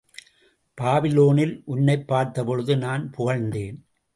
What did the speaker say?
பாபிலோனில் உன்னைப் பார்த்த பொழுது நான் புகழ்ந்தேன்.